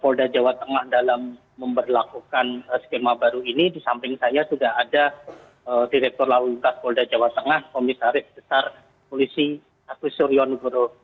polda jawa tengah dalam memperlakukan skema baru ini di samping saya sudah ada direktur lalu lintas polda jawa tengah komisaris besar polisi agus suryo nugro